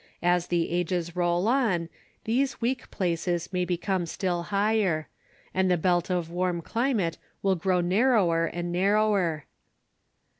As the ages roll on, these weak places may become still higher; and the belt of warm climate will grow narrower and narrower.